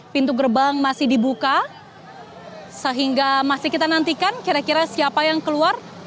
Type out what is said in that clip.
pintu gerbang masih dibuka sehingga masih kita nantikan kira kira siapa yang keluar